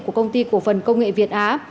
của công ty cổ phần công nghệ việt á